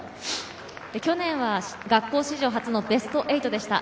去年は学校史上初のベスト８でした。